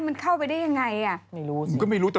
มันเขาปากได้